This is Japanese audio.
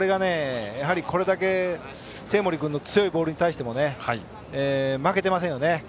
これが生盛君の強いボールに対しても負けていませんよね。